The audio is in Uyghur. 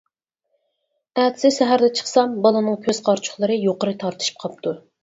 ئەتىسى سەھەردە چىقسام بالىنىڭ كۆز قارىچۇقلىرى يۇقىرى تارتىشىپ قاپتۇ.